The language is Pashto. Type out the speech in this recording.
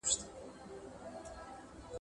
• تر مزد ئې شکر دانه ډېره سوه.